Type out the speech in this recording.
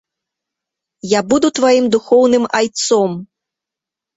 Я буду тваім духоўным айцом!